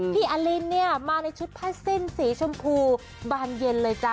พี่อัลลินมาในชุดผ้าสิ้นสีชมพูบานเย็นเลยจ้ะ